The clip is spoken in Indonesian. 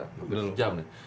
hampir sejam nih